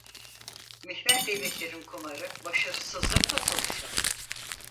Mihver devletlerin kumarı başarısızlıkla sonuçlandı.